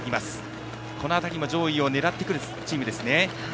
この辺りも上位を狙ってくるチームですね。